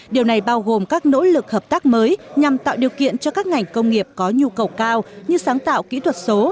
điều này bao gồm các nỗ lực hợp tác mới nhằm tạo điều kiện cho các ngành công nghiệp có nhu cầu cao như sáng tạo kỹ thuật số